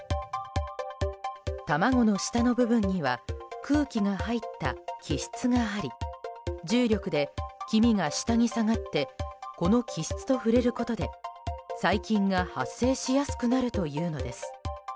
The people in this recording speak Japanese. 卵の下の部分には空気が入った気室があり重力で黄身が下に下がってこの気室と触れることで細菌が発生しやすくなるというのです。